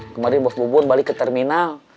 kemarin bos bubur balik ke terminal